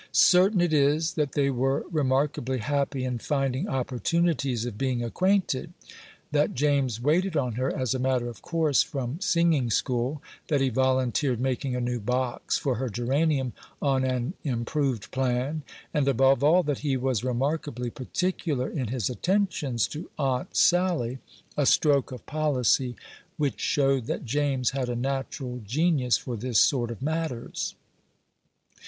Certain it is that they were remarkably happy in finding opportunities of being acquainted; that James waited on her, as a matter of course, from singing school; that he volunteered making a new box for her geranium on an improved plan; and above all, that he was remarkably particular in his attentions to Aunt Sally a stroke of policy which showed that James had a natural genius for this sort of matters.